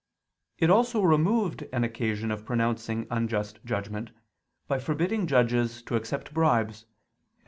It also removed an occasion of pronouncing unjust judgment, by forbidding judges to accept bribes (Ex.